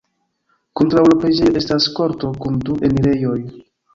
Kontraŭ la preĝejo estas korto kun du enirejoj.